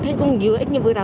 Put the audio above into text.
thu hoạch muối